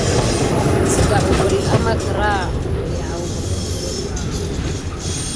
Sigan bibilà amà kera akulin kunane zukuɓa.